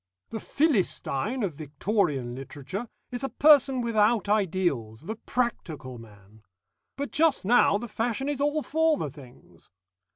"The Philistine of Victorian literature, is a person without ideals, the practical man. But just now the fashion is all for the things.